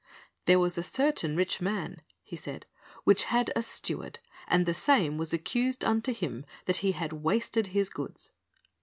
"There was a certain rich man," He said, "which had a steward; and the same was accused unto him that he had wasted his goods."